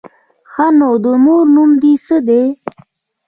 _ښه نو، د مور نوم دې څه دی؟